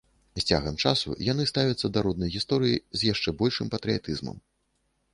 З цягам часу яны ставяцца да роднай гісторыі з яшчэ большым патрыятызмам.